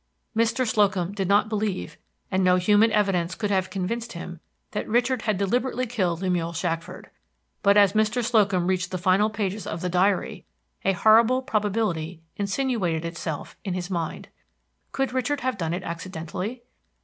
Mr. Slocum did not believe, and no human evidence could have convinced him, that Richard had deliberately killed Lemuel Shackford; but as Mr. Slocum reached the final pages of the diary, a horrible probability insinuated itself in his mind. Could Richard have done it accidentally?